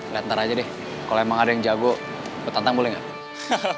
liat ntar aja deh kalau emang ada yang jago gue tantang boleh gak